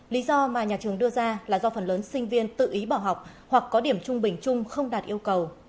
lý do mà nhà trường đưa ra là do phần lớn sinh viên tự ý bỏ học hoặc có điểm trung bình chung không đạt yêu cầu